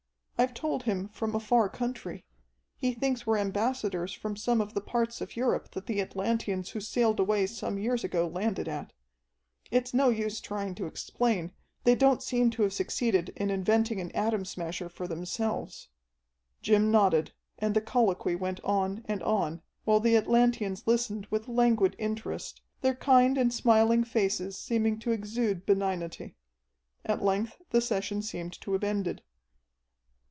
"I've told him from a far country. He thinks we're ambassadors from some of the parts of Europe that the Atlanteans who sailed away some years ago landed at. It's no use trying to explain they don't seem to have succeeded in inventing an Atom Smasher for themselves." Jim nodded, and the colloquy went on and on, while the Atlanteans listened with languid interest, their kind and smiling faces seeming to exude benignity. At length the session seemed to have ended.